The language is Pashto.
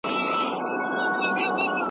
ایا سړکونه نن له خلکو خالي وو؟